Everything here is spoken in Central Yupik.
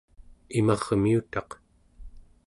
imarmiutaq